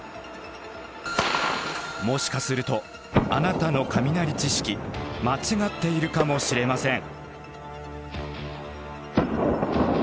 もしかするとあなたの雷知識間違っているかもしれません。